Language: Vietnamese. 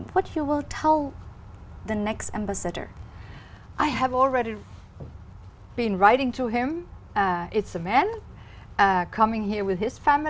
nhiệm vụ của hệ thống tự do của chúng tôi